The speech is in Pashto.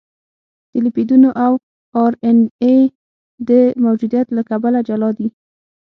د لیپیدونو او ار ان اې د موجودیت له کبله جلا دي.